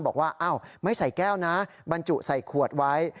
บอกว่าอ้าวไม่ใส่แก้วนะบรรจุใส่ขวดไว้